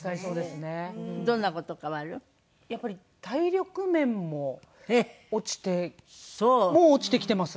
やっぱり体力面も落ちてもう落ちてきてます。